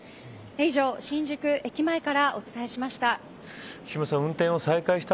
以上、新宿駅前からお伝えしました。